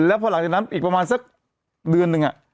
แล้วพอหลังจากนั้นอีกประมาณสักเดือนนึง